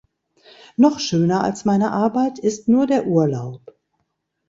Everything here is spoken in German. Noch schöner als meine Arbeit ist nur der Urlaub.